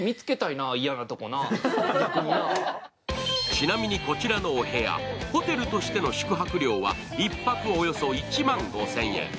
ちなみにこちらのお部屋、ホテルとしての宿泊料は１泊およそ１万５０００円。